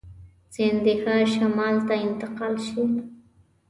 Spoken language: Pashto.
سیندهیا شمال ته انتقال شي.